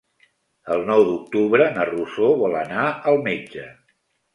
El nou d'octubre na Rosó vol anar al metge.